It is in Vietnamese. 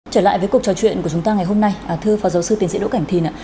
trở lại với cuộc trò chuyện của chúng ta ngày hôm nay thưa phó giáo sư tiến sĩ đỗ cảnh thìn ạ